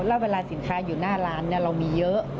แล้วเวลาสินค้าอยู่หน้าร้านเรามีเยอะ